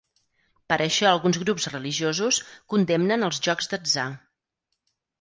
Per això alguns grups religiosos condemnen els jocs d'atzar.